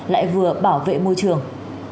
lại vừa bảo vệ môi trường